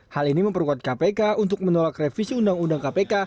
hal ini memperkuat kpk untuk menolak revisi undang undang kpk